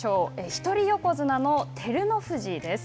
一人横綱の照ノ富士です。